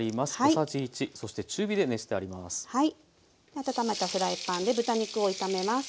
温めたフライパンで豚肉を炒めます。